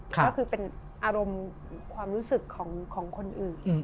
ก็คือเป็นอารมณ์ความรู้สึกของคนอื่น